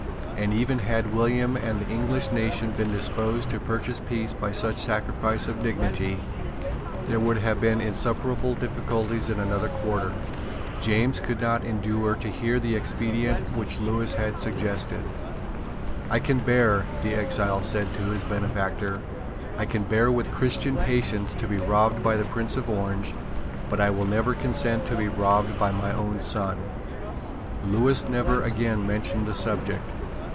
And even had William and the English nation been disposed to purchase peace by such a sacrifice of dignity, there would have been insuperable difficulties in another quarter. James could not endure to hear of the expedient which Lewis had suggested. "I can bear," the exile said to his benefactor, "I can bear with Christian patience to be robbed by the Prince of Orange; but I never will consent to be robbed by my own son." Lewis never again mentioned the subject.